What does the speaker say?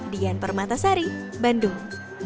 dian parmatasari bandung